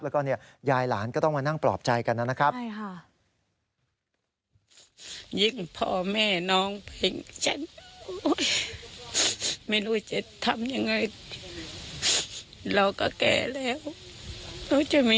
แล้วก็เนี่ยยายหลานก็ต้องมานั่งปลอบใจกันนะครับ